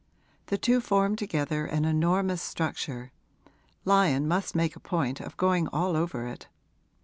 The two formed together an enormous structure Lyon must make a point of going all over it.